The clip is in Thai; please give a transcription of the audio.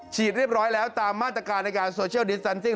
เรียบร้อยแล้วตามมาตรการในการโซเชียลดิสสันติ